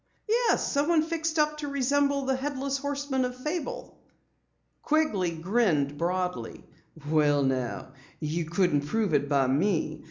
"Yes, someone fixed up to resemble the Headless Horseman of fable." Quigley grinned broadly. "Well, now, you couldn't prove it by me.